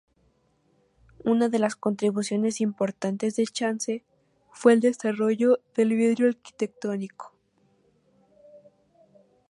Una de las contribuciones importantes de Chance fue el desarrollo del vidrio arquitectónico.